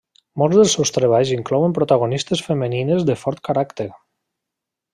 Molts dels seus treballs inclouen protagonistes femenines de fort caràcter.